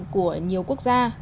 của nhiều quốc gia